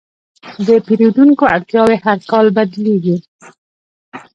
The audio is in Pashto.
د پیرودونکو اړتیاوې هر کال بدلېږي.